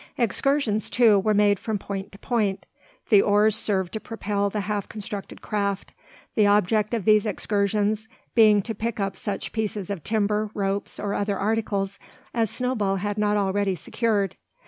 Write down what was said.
Excursions, too, were made from point to point, the oars serving to propel the half constructed craft: the object of these excursions being to pick up such pieces of timber, ropes, or other articles as Snowball had not already secured.